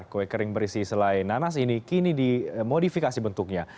kue kering berisi selai nanas ini kini dimodifikasi bentuknya